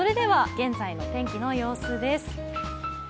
現在の天気の様子です。